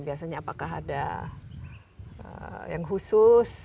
biasanya apakah ada yang khusus